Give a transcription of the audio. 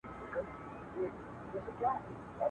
تر جېبونو پوري رسېدلې